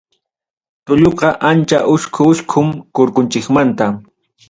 Tulluqa ancha uchku uchkum kurkunchikmanta.